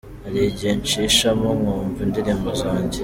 Hari igihe ncishamo nkumva indirimbo zanjye,.